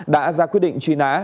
đã ra quyết định truy nã